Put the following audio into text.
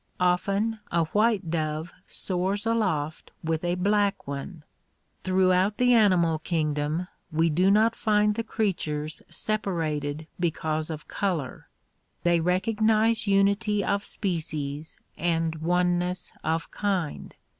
Often a white dove soars aloft with a black one. Throughout the animal kingdom we do not find the creatures separ ated because of color. They recognize unity of species and one ness of kind.